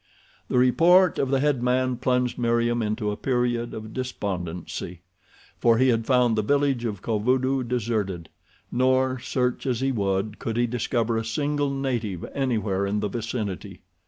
The report of the head man plunged Meriem into a period of despondency, for he had found the village of Kovudoo deserted nor, search as he would, could he discover a single native anywhere in the vicinity.